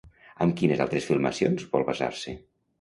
Amb quines altres filmacions vol basar-se?